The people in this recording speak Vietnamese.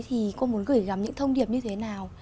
thì cô muốn gửi gắm những thông điệp như thế nào